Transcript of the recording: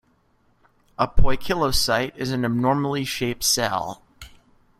A "poikilocyte" is an abnormally shaped cell.